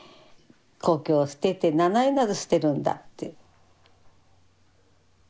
故郷を捨てて名前まで捨てるんだって。